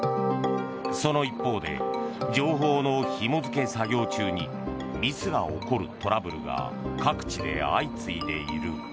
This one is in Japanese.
その一方で情報のひも付け作業中にミスが起こるトラブルが各地で相次いでいる。